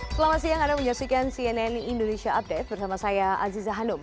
selamat siang anda menyaksikan cnn indonesia update bersama saya aziza hanum